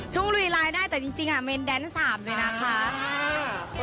ธุ้งลุยหลายได้แต่จริงเหมือนแดนส์๓เลยนะคะ